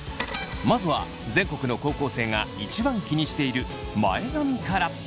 まずは全国の高校生が１番気にしている前髪から。